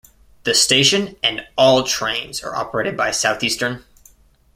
The station and all trains are operated by Southeastern.